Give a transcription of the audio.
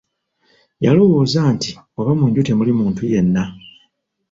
Yalowooza nti oba munju temuli muntu yenna.